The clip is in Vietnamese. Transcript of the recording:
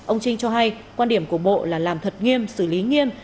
ông trinh cho hay quan điểm của bộ là làm thật nghiêm xử lý nghiêm